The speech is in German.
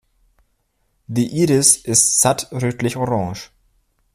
Die Iris ist satt rötlich-orange.